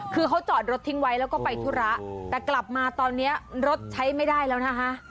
คือเขาจอดรถทิ้งไว้แล้วก็ไปธุระแต่กลับมาตอนนี้รถใช้ไม่ได้แล้วนะคะ